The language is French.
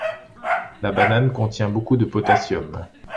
La banane contient beaucoup de potassium.